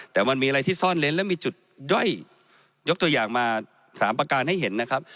แต่มันมีอะไรที่ซ่อนเล้นและมีจุดย่อยยกตัวอย่างมาสามประการให้เห็นนะครับ